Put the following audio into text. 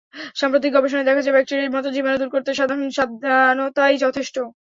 সাম্প্রতিক গবেষণায় দেখা যায়, ব্যাকটেরিয়ার মতো জীবাণু দূর করতে সাধারণ সাবানই যথেষ্ট।